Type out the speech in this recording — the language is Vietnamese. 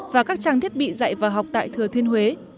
và các trang thiết bị dạy và học tại thừa thiên huế